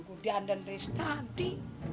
gue dandan dari tadi